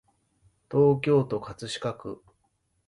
東京都葛飾区